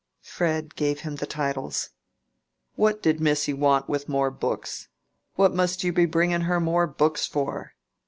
Fred gave him the titles. "What did missy want with more books? What must you be bringing her more books for?"